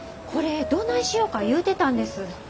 これどないしよか言うてたんです。